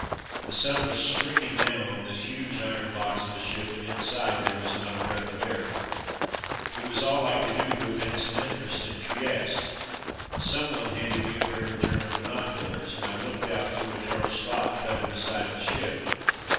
The sun was streaming down on this huge iron box of a ship, and inside there was not a breath of air. It was all I could do to A Peep at Trieste 229 evince an interest in Trieste. Someone handed me a pair of German binoculars, and I looked out through a narrow slot cut in the side of the ship.